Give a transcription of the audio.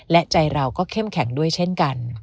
และใจเราก็เข้มแข็งด้วยเช่นกัน